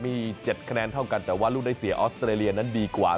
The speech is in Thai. มี๗คะแนนเท่ากันแต่ว่าลูกได้เสียออสเตรเลียนั้นดีกว่า